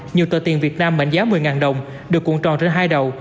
nhiều tờ tiền việt nam mạnh giá một mươi đồng được cuộn tròn trên hai đầu